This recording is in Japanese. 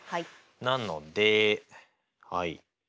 なのではい。